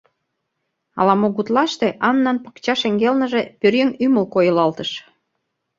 Ала-мо гутлаште Аннан пакча шеҥгелныже пӧръеҥ ӱмыл койылалтыш.